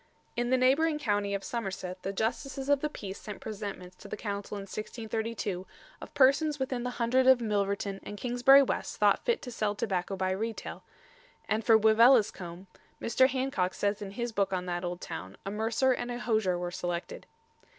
In the neighbouring county of Somerset the Justices of the Peace sent presentments to the Council in 1632 of persons within the Hundred of Milverton and Kingsbury West thought fit to sell tobacco by retail; and for Wiveliscombe, Mr. Hancock says in his book on that old town, a mercer and a hosier were selected.